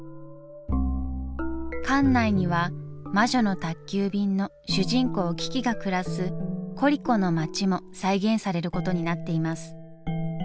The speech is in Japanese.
館内には「魔女の宅急便」の主人公キキが暮らすコリコの街も再現されることになっています。